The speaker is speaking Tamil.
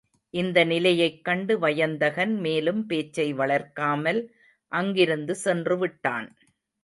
இந்த நிலையைக் கண்டு வயந்தகன் மேலும் பேச்சை வளர்க்காமல் அங்கிருந்து சென்றுவிட்டான்.